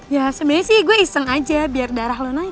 ya sebenarnya sih gue iseng aja biar darah lo naik